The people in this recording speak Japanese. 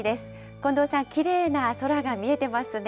近藤さん、きれいな空が見えてますね。